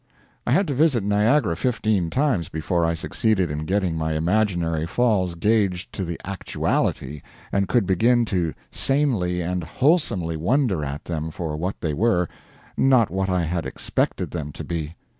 I had to visit Niagara fifteen times before I succeeded in getting my imaginary Falls gauged to the actuality and could begin to sanely and wholesomely wonder at them for what they were, not what I had expected them to be.